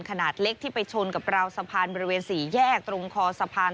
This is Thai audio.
ขนาดเล็กที่ไปชนกับราวสะพานบริเวณ๔แยกตรงคอสะพาน